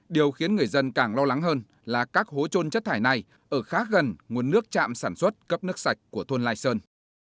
điều khiến người dân càng lo lắng hơn là các hố trôn chất thải này ở khác gần nguồn nước chạm sản xuất cấp nước sạch của thôn lai sơn